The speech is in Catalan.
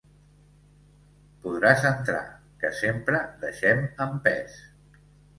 Podràs entrar, que sempre deixem empès.